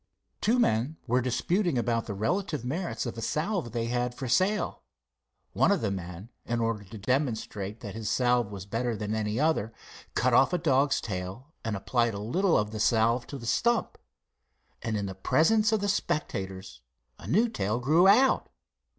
Two men were disputing about the relative merits of the salve they had for sale. One of the men, in order to demonstrate that his salve was better than any other, cut off a dog's tail and applied a little of the salve to the stump, and, in the presence of the spectators, a new tail grew out.